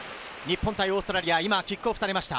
日本対オーストラリア、今キックオフされました。